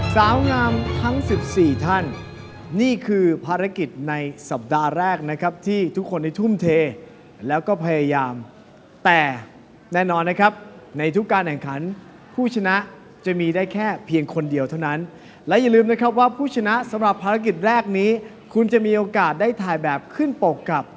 สาวงามทั้ง๑๔ท่านนี่คือภารกิจในสัปดาห์แรกนะครับที่ทุกคนได้ทุ่มเทแล้วก็พยายามแต่แน่นอนนะครับในทุกการแข่งขันผู้ชนะจะมีได้แค่เพียงคนเดียวเท่านั้นและอย่าลืมนะครับว่าผู้ชนะสำหรับภารกิจแรกนี้คุณจะมีโอกาสได้ถ่ายแบบขึ้นปกกับ